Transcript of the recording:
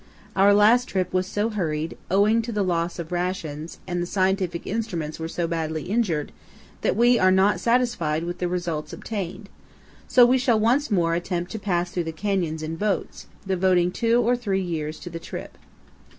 Our last trip was so hurried, owing to the loss of rations, and the scientific instruments were so badly injured, that we are not satisfied with the results obtained; so we shall once more attempt to pass through the canyons in boats, devoting two or three years to the trip.